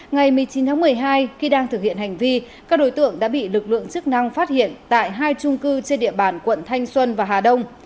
ngày một mươi chín tháng một mươi hai khi đang thực hiện hành vi các đối tượng đã bị lực lượng chức năng phát hiện tại hai trung cư trên địa bàn quận thanh xuân và hà đông